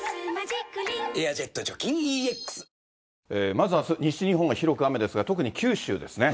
まずあす、西日本は広く雨ですが、特に九州ですね。